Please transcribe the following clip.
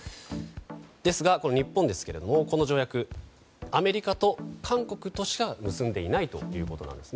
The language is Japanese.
ですが、日本はこの条約はアメリカと韓国としか結んでいないということです。